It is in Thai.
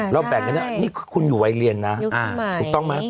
เราแบ่งกันนะนี่คือคุณอยู่วัยเรียนนะยุคใหม่ถูกต้องมั้ย